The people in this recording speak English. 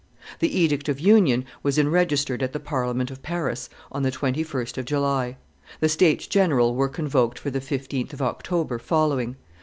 The edict of union was enregistered at the Parliament of Paris on the 21st of July. The states general were convoked for the 15th of October following.